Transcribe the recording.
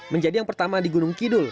menjadi yang pertama di gunung kidul